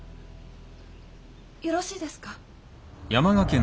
よろしいですか？